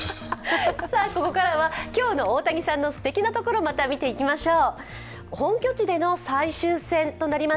ここからは今日の大谷さんのすてきなところ見ていきましょう。